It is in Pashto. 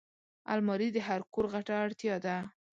الماري د هر کور غټه اړتیا ده